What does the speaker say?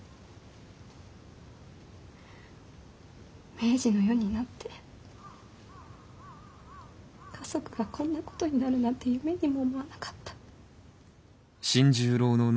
明治の世になって家族がこんなことになるなんて夢にも思わなかった。